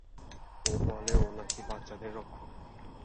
ও বলে ও নাকি বাচ্চাদের রক্ষক।